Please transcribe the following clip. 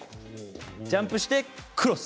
ジャンプをしてクロス。